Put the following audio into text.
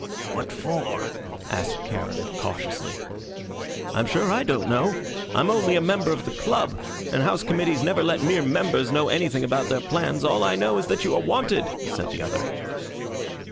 "What for?" asked Charon, cautiously. "I'm sure I don't know. I'm only a member of the club, and house committees never let mere members know anything about their plans. All I know is that you are wanted," said the other.